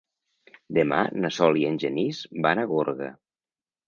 Demà na Sol i en Genís van a Gorga.